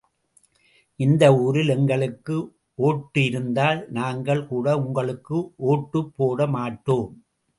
இந்த ஊரில் எங்களுக்கு ஓட்டு இருந்தால் நாங்கள் கூட உங்களுக்கு ஒட்டுப்போட மாட்டோம்.